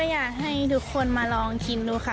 อยากให้ทุกคนมาลองชิมดูค่ะ